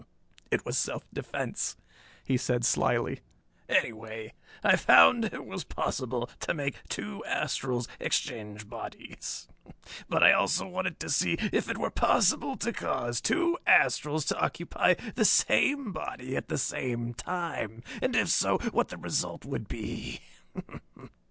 It was self defense," he added slyly. "Anyway, I found it was possible to make two astrals exchange bodies. But I also wanted to see if it were possible to cause two astrals to occupy the same body at the same time, and if so what the result would be.